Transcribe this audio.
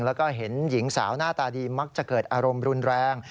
แล้วก็เห็นหญิงสาวหน้าตาดีมักจะเกิดอารมณ์รุนแรง